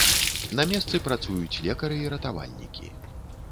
На месцы працуюць лекары і ратавальнікі.